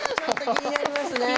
気になりましたね